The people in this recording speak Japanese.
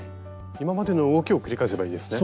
今までの動きを繰り返せばいいですね？